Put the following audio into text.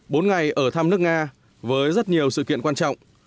bốn ngày ở thăm nước nga với rất nhiều sự kiện quan trọng